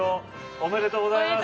おめでとうございます。